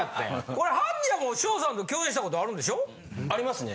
これ般若も翔さんと共演したことあるんでしょ？ありますね。